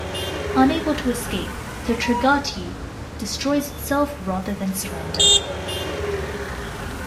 Unable to escape, the "Trigati" destroys itself rather than surrender.